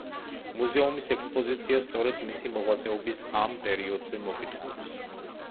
მუზეუმის ექსპოზიცია სწორედ მისი მოღვაწეობის ამ პერიოდზე მოგვითხრობს.